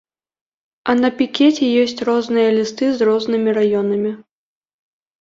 А на пікеце ёсць розныя лісты з рознымі раёнамі.